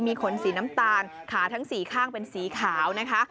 มีขนสีน้ำตาลขาทั้ง๔ข้างเป็นสีขาวนะคะ